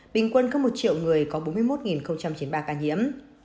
bình quân có một triệu người có bốn mươi một chín mươi ba ca nhiễm